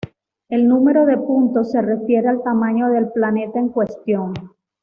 El número de puntos se refiere al tamaño del planeta en cuestión.